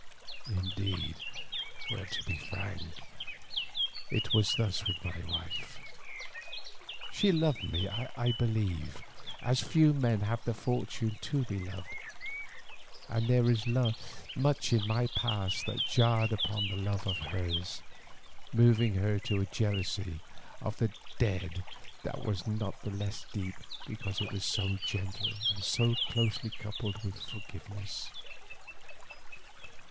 Indeed, to be frank, it was thus with my wife: She loved me, I believe, as few men have the fortune to be loved, and there is much in my past that jarred upon this love of hers, moving her to a jealousy of the dead that was not the less deep because it was so gentle and so closely coupled with forgiveness.